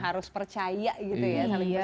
harus percaya gitu ya